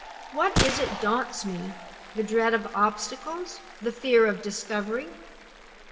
"What is it daunts me? The dread of obstacles? The fear of discovery?